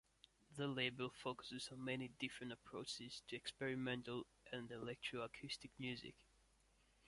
The label focuses on many different approaches to experimental and electroacoustic music.